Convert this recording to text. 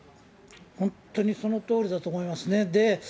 本当にそのとおりだと思いますね。